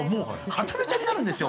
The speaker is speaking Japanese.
はちゃめちゃになるんですよ